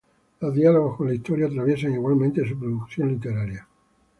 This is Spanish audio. Los diálogos con la historia atraviesan, igualmente, su producción literaria.